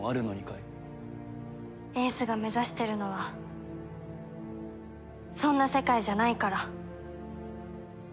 英寿が目指してるのはそんな世界じゃないから。